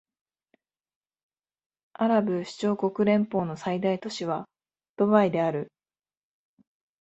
アラブ首長国連邦の最大都市はドバイである